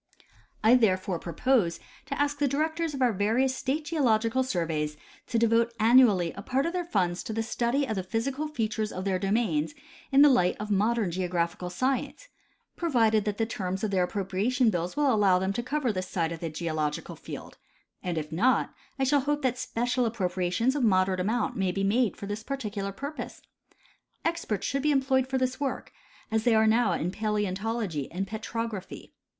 I therefore propose to ask the directors of our various state geological surveys to devote annually a part of their funds to the study of the physical features of their domains in tlie light of modern geographical science, provided that the terms of their appropriation bills will allow them to cover this side of the geological field; and if noj:, I sliall hope that special appropria tions of moderate amount may be made for this particular pur pose. Experts should be employed for this work, as they are now in paleontology and petrograpl^y.